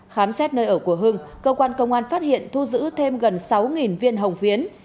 khám xét nơi ở của hưng cơ quan công an phát hiện thu giữ thêm gần sáu viên hồng phiến